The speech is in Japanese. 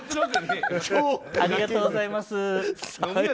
ありがとうございます。